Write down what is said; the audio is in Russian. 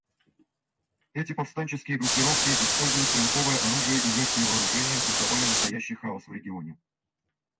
Эти повстанческие группировки, используя стрелковое оружие и легкие вооружения, создавали настоящий хаос в регионе.